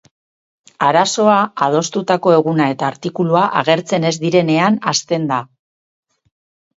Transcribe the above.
Arazoa adostutako eguna eta artikulua agertzen ez direnean hasten da.